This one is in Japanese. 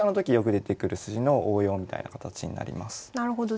なるほど。